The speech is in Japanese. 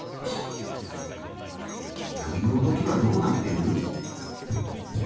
波の動きはどうなってる？